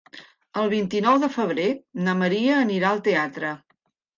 El vint-i-nou de febrer na Maria anirà al teatre.